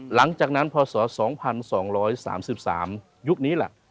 หลังจากนั้นพศ๒๒๓๓ยุคนี้แหละ